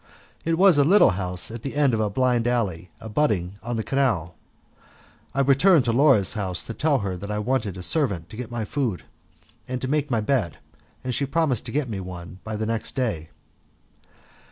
It was a little house at the end of a blind alley abutting on the canal. I returned to Laura's house to tell her that I wanted a servant to get my food and to make my bed, and she promised to get me one by the next day.